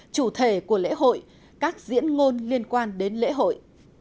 chủ thể của lễ hội các diễn ngôn liên quan đến lễ hội